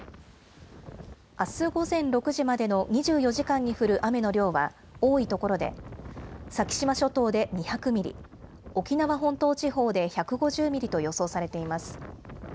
あす午前６時までの２４時間に降る雨の量は多い所で先島諸島で２００ミリ、沖縄本島地方で１５０ミリと予想されています。